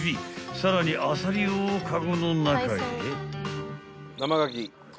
［さらにアサリをカゴの中へ］